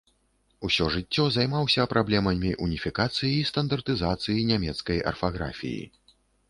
Усё жыццё займаўся праблемамі уніфікацыі і стандартызацыі нямецкай арфаграфіі.